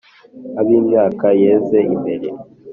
abi myaka yeze mbere